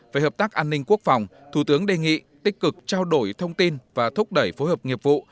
về hợp tác an ninh quốc phòng thủ tướng đề nghị tích cực trao đổi thông tin và thúc đẩy phối hợp nghiệp vụ